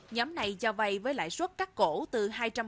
nhóm này cho vai với lãi suất cắt cổ từ hai trăm bốn mươi